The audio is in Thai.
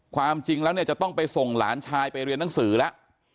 ความจริงแล้วเนี่ยจะต้องไปส่งหลานชายไปเรียนหนังสือแล้ว